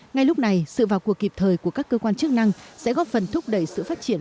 ngay lúc này sự vào cuộc kịp thời của các cơ quan chức năng sẽ góp phần thúc đẩy sự phát triển